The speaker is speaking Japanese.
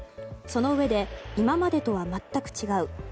そのうえで今までとは全く違う。